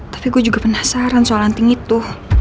tapi gue juga penasaran soal ranting itu